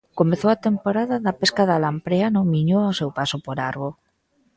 Comezou a temporada da pesca da lamprea no Miño ao seu paso por Arbo.